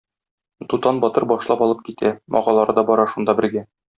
Дутан батыр башлап алып китә, агалары да бара шунда бергә.